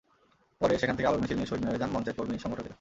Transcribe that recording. পরে সেখান থেকে আলোর মিছিল নিয়ে শহীদ মিনারে যান মঞ্চের কর্মী-সংগঠকেরা।